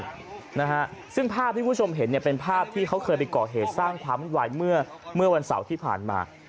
ว่าชายคนนี้ก่อเหตุบุกบ้านซึ่งภาพที่คุณผู้ชมเห็นเป็นภาพที่เขาเคยไปก่อเหตุสร้างความหวายเมื่อวันเสาร์ที่ผ่านมา